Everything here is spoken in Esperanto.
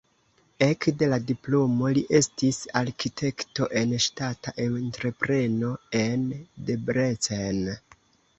Ekde la diplomo li estis arkitekto en ŝtata entrepreno en Debrecen.